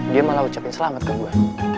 dia malah ucapin selamat ke gue